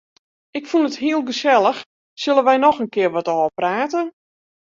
Ik fûn it heel gesellich, sille wy noch in kear wat ôfprate?